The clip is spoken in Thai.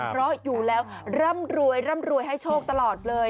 เพราะอยู่แล้วร่ำรวยให้โชคตลอดเลย